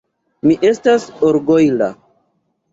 Mi estas orgojla.